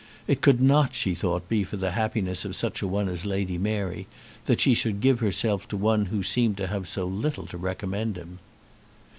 It could not, she thought, be for the happiness of such a one as Lady Mary that she should give herself to one who seemed to have so little to recommend him.